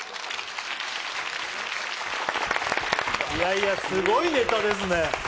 いやいや、すごいネタですね。